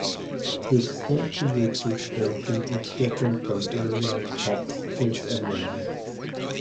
The extent to which his version is different from earlier texts is unknown.